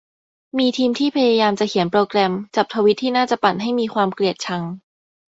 มีทีมที่พยายามจะเขียนโปรแกรมจับทวีตที่น่าจะปั่นให้มีความเกลียดชัง